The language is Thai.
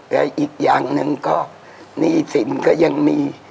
และอีกอย่างหนึ่งก็หนี้สินก็ยังมี